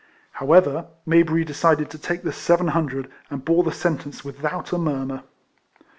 However, Mayberry decided to take the seven hundred, and bore the sen tence without a murmur.